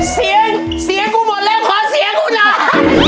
เสียงเสียงกูหมดเลยขอเสียงกูหน่อย